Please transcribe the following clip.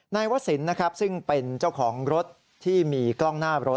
นายวศิลป์ซึ่งเป็นเจ้าของรถที่มีกล้องหน้ารถ